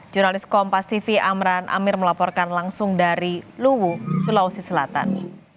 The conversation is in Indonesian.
jurnalis kompas tv amran amir melaporkan langsung dari luwu sulawesi selatan